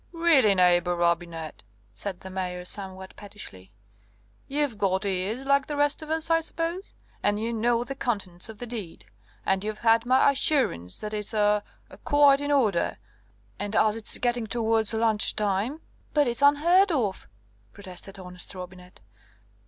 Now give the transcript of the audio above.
"Really, neighbour Robinet," said the Mayor, somewhat pettishly, "you've got ears like the rest of us, I suppose; and you know the contents of the deed; and you've had my assurance that it's er quite in order; and as it's getting towards lunch time " "But it's unheard of," protested honest Robinet.